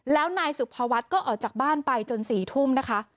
แล้วนายสุภวัฒน์ก็ออกจากบ้านไปจน๔ทุ่มนะคะ